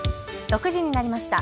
６時になりました。